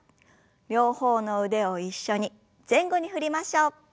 両方の腕を一緒に前後に振りましょう。